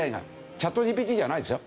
チャットＧＰＴじゃないですよ。